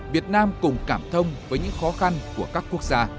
việt nam cùng cảm thông với những khó khăn của các quốc gia